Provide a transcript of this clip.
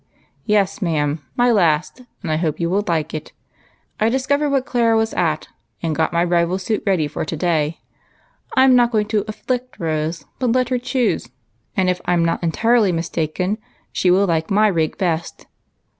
" Yes, ma 'am, my last, and I hope you will like it. I discovered what Clara was at, and got my rival suit ready for to day. I'm not going to 'afflict' Rose, but let her choose, and if I'm not entirely mistaken, she will like my rig best.